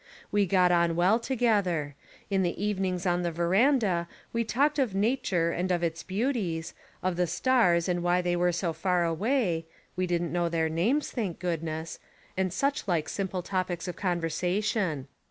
We got on well to gether. In the evenings on the verandah we talked of nature and of its beauties, of the stars and why they were so far away, — we didn't know their names, thank goodnesS; — and such like simple topics of conversation.